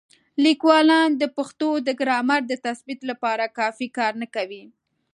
لیکوالان د پښتو د ګرامر د تثبیت لپاره کافي کار نه کوي.